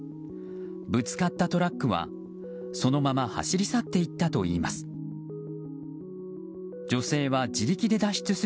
ぶつかったトラックはそのまま走り去っていったといいます。